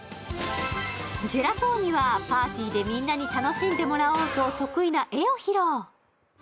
ジェラトーニはパーティーでみんなに楽しんでもらおうと得意な絵を披露。